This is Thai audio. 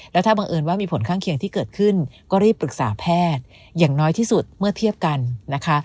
แล้วถ้าบังเอิญว่ามีผลข้างเคียงที่เกิดขึ้นก็รีบปรึกษาแพทย์อย่างน้อยที่สุดเมื่อเทียบกันนะคะ